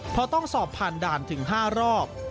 เพราะต้องสอบผ่านด่านถึง๕รอบ